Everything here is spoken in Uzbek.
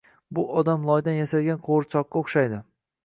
Bu odam loydan yasalgan qo’g’irchoqqa o’xshaydi.